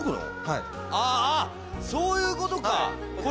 あっあそういうことか。